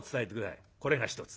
これが一つ。